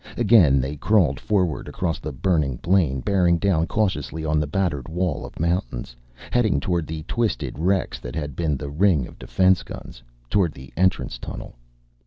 Again they crawled forward, across the burning plain, bearing down cautiously on the battered wall of mountains, heading toward the twisted wrecks that had been the ring of defense guns. Toward the entrance tunnel.